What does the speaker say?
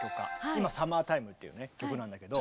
今「サマータイム」っていう曲なんだけど。